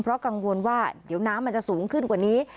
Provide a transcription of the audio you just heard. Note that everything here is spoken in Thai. เพราะกังวลว่าเดี๋ยวน้ำมันจะสูงขึ้นกว่านี้